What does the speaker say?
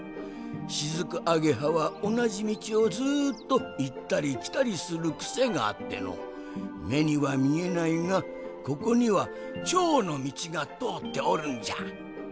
しずくアゲハはおなじみちをずっといったりきたりするくせがあってのうめにはみえないがここにはちょうのみちがとおっておるんじゃ。